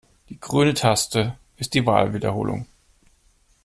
Die grüne Taste ist die Wahlwiederholung.